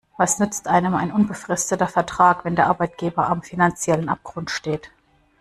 Was nützt einem ein unbefristeter Vertrag, wenn der Arbeitgeber am finanziellen Abgrund steht?